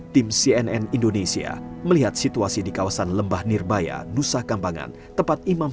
tim cnn indonesia melihat situasi di kawasan lembah nirbaya nusa kambangan tempat imam